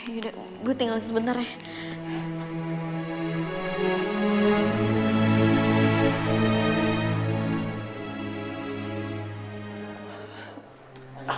yaudah gue tinggal sebentar ya